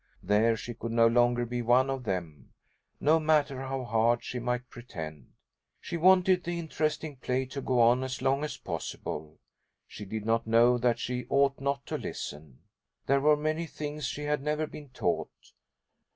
There she could no longer be one of them, no matter how hard she might pretend. She wanted the interesting play to go on as long as possible. She did not know that she ought not to listen. There were many things she had never been taught.